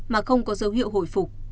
mà không có dấu hiệu hồi phục